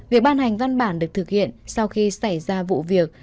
việc ban hành văn bản được thực hiện sau khi xảy ra vụ việc